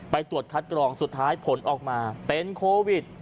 ตรวจคัดกรองสุดท้ายผลออกมาเป็นโควิด